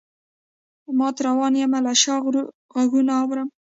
مات روان یمه له شا غــــــــږونه اورم